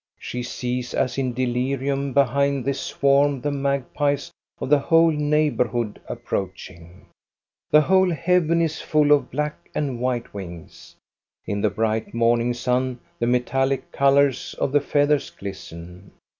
She sees as in delirium behind this swarm the magpies of the whole neighborhood approaching; the whole heaven is full of black and Iwhite wings. In the bright morning sun the metallic colors of the feathers glisten.